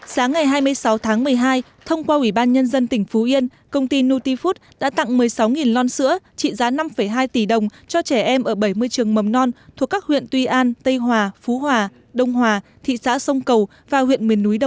sáng ngày hai mươi sáu tháng một mươi hai thông qua ủy ban nhân dân tỉnh phú yên công ty nutifood đã tặng một mươi sáu lon sữa trị giá năm hai tỷ đồng cho trẻ em ở bảy mươi trường mầm non thuộc các huyện